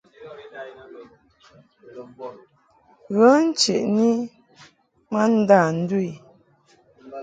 Ghə ncheʼni i ma ndâ ndu i.